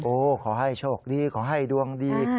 ขอให้โชคดีขอให้ดวงดี